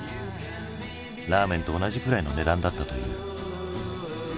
ラーメンと同じくらいの値段だったという。